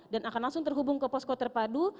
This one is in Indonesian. dan akan langsung terhubung ke pos keterpadu